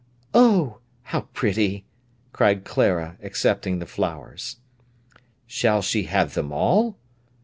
"Oh, how pretty!" cried Clara, accepting the flowers. "Shall she have them all?"